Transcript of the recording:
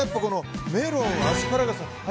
メロン、アスパラガス春